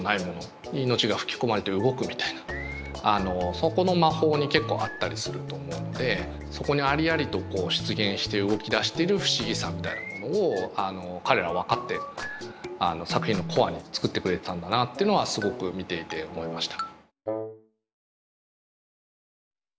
そこの魔法に結構あったりすると思うんでそこにありありと出現して動き出してる不思議さみたいなものを彼らは分かって作品のコアに作ってくれてたんだなっていうのはすごく見ていて思いました。